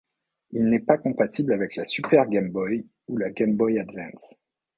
Il n'est pas compatible avec le Super Game Boy ou la Game Boy Advance.